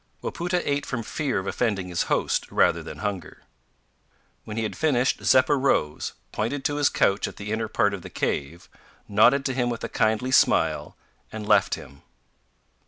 Wapoota ate from fear of offending his host, rather than hunger. When he had finished, Zeppa rose, pointed to his couch at the inner part of the cave, nodded to him with a kindly smile, and left him.